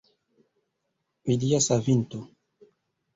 Ilia savinto!